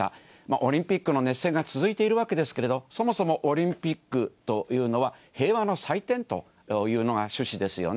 オリンピックの熱戦が続いているわけですけれど、そもそもオリンピックというのは、平和の祭典というのが趣旨ですよね。